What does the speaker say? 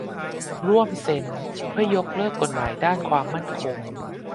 ร่วม "เซ็น" เพื่อยกเลิกกฎหมายด้านความมั่นคง